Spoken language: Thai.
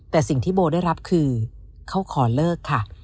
แต่สิ่งที่โบได้รับคือเขาขอเลิกค่ะ